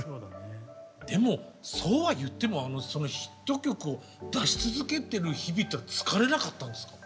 でもそうは言ってもヒット曲を出し続けてる日々というのは疲れなかったんですか？